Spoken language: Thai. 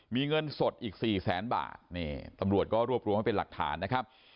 มีเงินสดอีก๔๐๐๐๐๐บาทตำรวจก็รวบรวมเป็นหลักฐานนะครับ